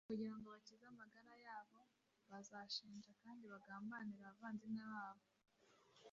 kugira ngo bakize amagara yabo bazashinja kandi bagambanire abavandimwe babo.